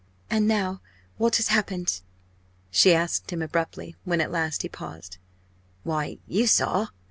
"And now what has happened?" she asked him abruptly, when at last he paused. "Why, you saw!"